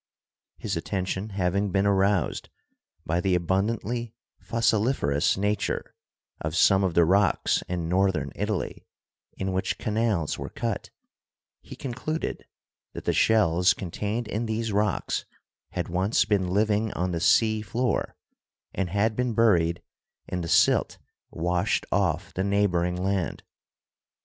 His attention having been aroused by the abundantly fossiliferous nature of some of the rocks in northern Italy, in which canals were cut, he concluded that the shells contained in these rocks had once been living on the sea floor and had been buried in the silt washed off the neighboring land.